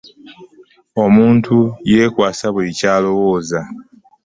Omuntu yekwasa buli kyalowooza .